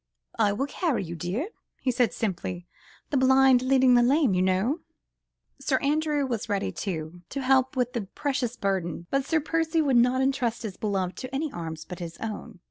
"I will carry you, dear," he said simply; "the blind leading the lame, you know." Sir Andrew was ready, too, to help with the precious burden, but Sir Percy would not entrust his beloved to any arms but his own.